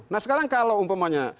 nah sekarang kalau umpamanya